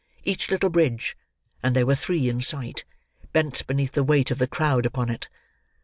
Each little bridge (and there were three in sight) bent beneath the weight of the crowd upon it.